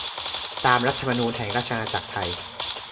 ตามรัฐธรรมนูญแห่งราชอาณาจักรไทย